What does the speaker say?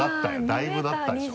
だいぶなったでしょ。